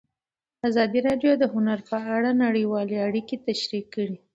ازادي راډیو د هنر په اړه نړیوالې اړیکې تشریح کړي.